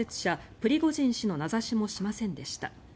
プリゴジン氏の名指しもしませんでした。